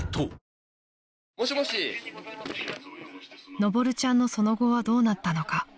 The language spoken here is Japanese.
［のぼるちゃんのその後はどうなったのか］